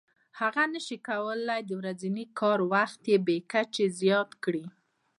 هغه نشي کولای د ورځني کار وخت بې کچې زیات کړي